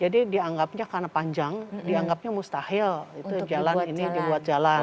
jadi dianggapnya karena panjang dianggapnya mustahil itu jalan ini dibuat jalan